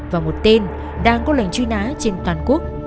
và một tên đang có lệnh truy nã trên toàn quốc